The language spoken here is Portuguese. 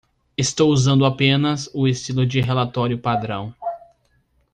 Estou usando apenas o estilo de relatório padrão.